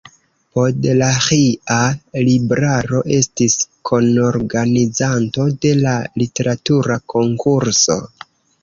Podlaĥia Libraro estis kunorganizanto de la literatura konkurso.